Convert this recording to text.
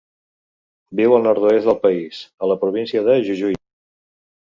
Viu al nord-oest del país, a la província de Jujuy.